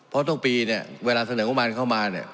เพราะทุกปีเนี่ยเวลาเสนองบประมาณเข้ามาเนี่ย